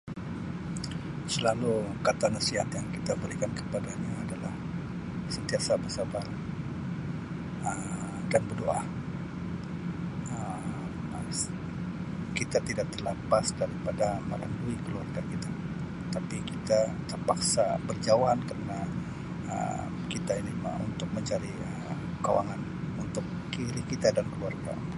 Selalu kata nasihat yang kita berikan kepada anu adalah sentiasa bersabar Um dan berdoa Um kita tidak terlepas daripada merindui keluarga kita tapi terpaksa berjauhan karna Um kita ini me- untuk mencari Um kewangan untuk diri kita dan keluarga